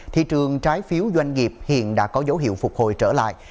thị trường trái phiếu doanh nghiệp hiện đã có dấu hiệu phục hồi trở lại